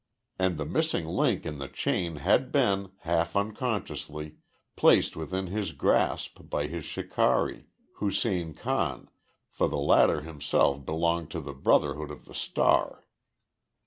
And the missing link in the chain had been, half unconsciously, placed within his grasp by his shikari, Hussein Khan, for the latter himself belonged to the Brotherhood of the Star.